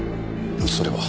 それは。